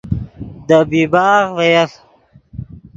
دے بیباغ ڤے یف